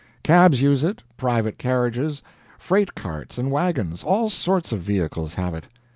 Cabs use it, private carriages, freight carts and wagons, all sorts of vehicles have it.